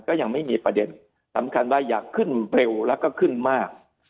ก็ยังไม่มีประเด็นสำคัญว่าอยากขึ้นเร็วแล้วก็ขึ้นมาก